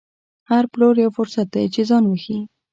هر پلور یو فرصت دی چې ځان وښيي.